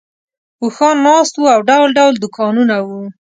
اوښان ناست وو او ډول ډول دوکانونه وو.